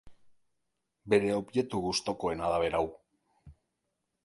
Bere objektu gustukoena da berau.